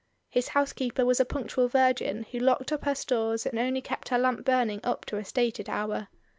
His housekeeper was a punctual virgin who locked up her stores and only kept her lamp burning up to a stated hour.